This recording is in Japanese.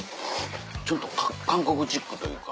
ちょっと韓国チックというか。